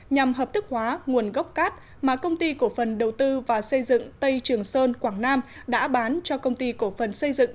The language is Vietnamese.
nhằm hợp thức hóa nguồn gốc cát mà công ty cổ phần đầu tư và xây dựng tây trường sơn quảng nam đã bán cho công ty cổ phần xây dựng